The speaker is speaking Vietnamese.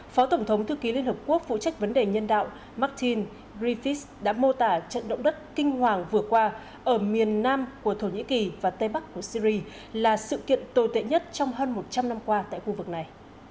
phó tổng thư ký liên hợp quốc phụ trách vấn đề nhân đạo martin grifis đã mô tả trận động đất kinh hoàng vừa qua ở miền nam của thổ nhĩ kỳ và tây bắc của syri là sự kiện tồi tệ nhất trong hơn một trăm linh năm qua tại khu vực này